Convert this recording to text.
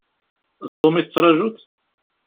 D Tom i tettrajuḍ?